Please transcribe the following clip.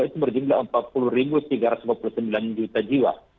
itu berjumlah empat puluh tiga ratus empat puluh sembilan juta jiwa